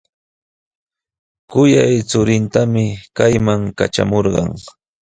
Kuyay churintami kayman katramurqan.